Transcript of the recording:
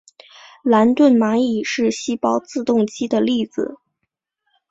兰顿蚂蚁是细胞自动机的例子。